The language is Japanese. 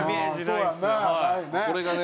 これがね